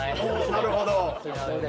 なるほど。